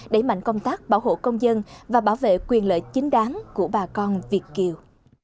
đẩy mạnh công tác bảo hộ công dân và bảo vệ quyền lợi chính đáng của bà con việt kiều